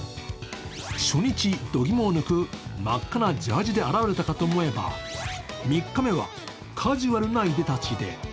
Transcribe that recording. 初日、どぎもを抜く真っ赤なジャージで現れたと思えば、３日目はカジュアルないでたちで。